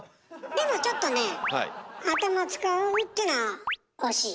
でもちょっとねえ「頭使う」ってのは惜しい。